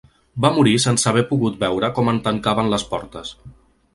Va morir sense haver pogut veure com en tancaven les portes.